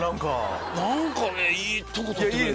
何かねいいとこ撮ってくれる。